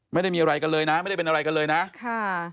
ไม่ได้มีอะไรกันเลยนะไม่ได้เป็นอะไรกันเลยนะค่ะ